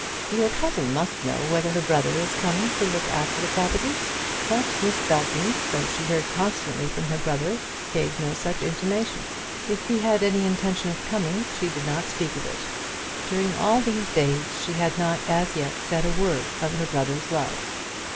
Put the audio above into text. "Your cousin must know whether her brother is coming to look after the property?" But Miss Belton, though she heard constantly from her brother, gave no such intimation. If he had any intention of coming, she did not speak of it. During all these days she had not as yet said a word of her brother's love.